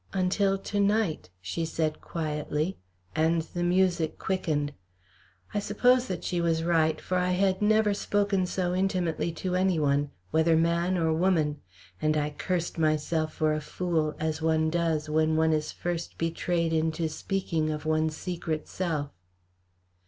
"Until to night," she said quietly, and the music quickened. I suppose that she was right, for I had never spoken so intimately to any one, whether man or woman; and I cursed myself for a fool, as one does when one is first betrayed into speaking of one's secret self.